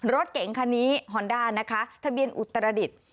รถเก๋งคันนี้ฮอนด้านะคะทะเบียนอุตรดิษฐ์